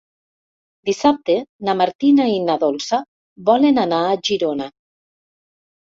Dissabte na Martina i na Dolça volen anar a Girona.